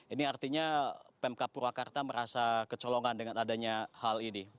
ini artinya pemkap purwakarta merasa kecolongan dengan adanya hal ini